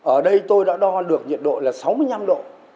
ở đây tôi đã đo được nhiệt độ là sáu mươi năm độ